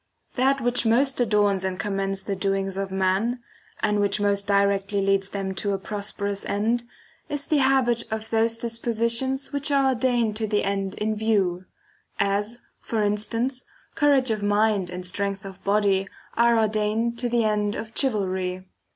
a. That which most adorns and commends the doings of man, and which most directly leads them to a prosperous end, is the habit \_zo~\ of V. THE FIRST TREATISE 23 those dispositions which are ordained to the end Servant in view ; as, for instance, courage of mind and ^^^ strength of body are ordained to the end of ™*^^^ chivalry.